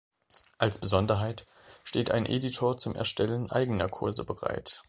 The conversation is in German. Als Besonderheit steht ein Editor zum Erstellen eigener Kurse bereit.